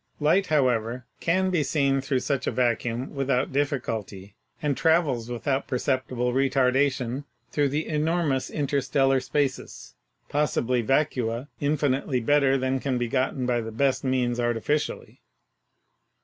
Light, however, can be seen through such a vacuum with out difficulty, and travels without perceptible retardation through the enormous interstellar spaces — possibly vacua — infinitely better than can be gotten by the best means artificially.